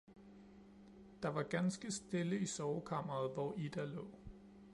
Der var ganske stille i sovekammeret, hvor Ida lå.